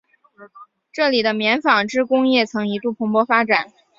这里的棉纺织工业曾一度蓬勃发展。